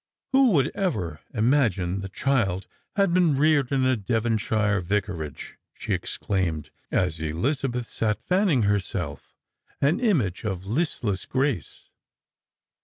" Who would ever imagine the child had been reared in a Devonshire vicarage !" she exclaimed, as Elizabeth sat fanning herself, an image of listless grace.